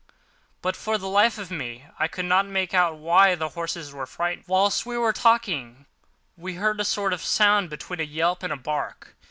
But for the life of me I could not make out why the horses were frightened. Whilst we were talking, we heard a sort of sound between a yelp and a bark.